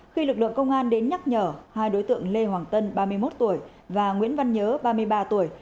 khi lực lượng công an đến nhắc nhở hai đối tượng lê hoàng tân ba mươi một tuổi và nguyễn văn nhớ ba mươi ba tuổi